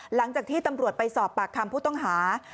หลังจากที่ตำรวจไปสอบปากคำผู้ต้องหา